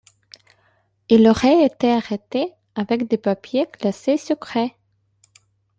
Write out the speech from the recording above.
Il aurait été arrêter avec des papiers classer secrets.